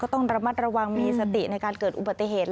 ต้องระมัดระวังมีสติในการเกิดอุบัติเหตุ